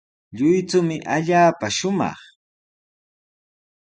Lluychumi allaapa shumaq.